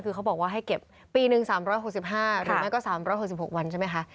คือเขาบอกว่าให้เก็บปีหนึ่ง๓๖๕หรือไม่ก็๓๖๖วันใช่ไหมคะ